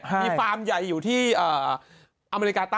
มีฟาร์มใหญ่อยู่ที่อเมริกาใต้